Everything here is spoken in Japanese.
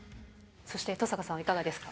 そして登坂さんはいかがですか。